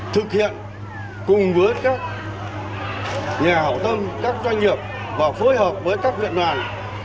thực hiện cùng với các nhà hảo tâm các doanh nghiệp và phối hợp với các huyện đoàn